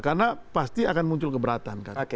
karena pasti akan muncul keberatan